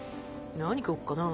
何食おっかなぁ。